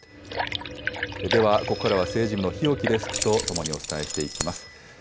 ではここからは政治部の日置デスクとともにお伝えしていきます。